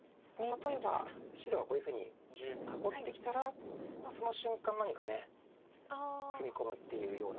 例えば白がこういうふうに囲ってきたらその瞬間何か踏み込むっていうようなことでしょう。